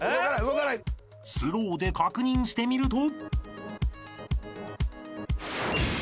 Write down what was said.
［スローで確認してみると］